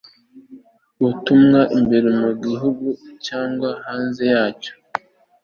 butumwa imbere mu gihugu cyangwa hanze yacyo